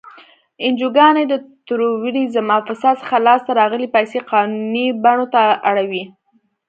انجوګانې د تروریزم او فساد څخه لاس ته راغلی پیسې قانوني بڼو ته اړوي.